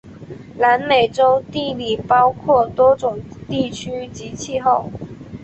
南美洲地理包括多种地区及气候。